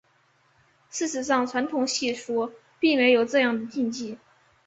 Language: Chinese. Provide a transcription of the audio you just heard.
事实上传统习俗并没有这样的禁忌。